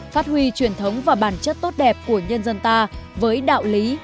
phát huy truyền thống và bản chất tốt đẹp của nhân dân ta với đạo lý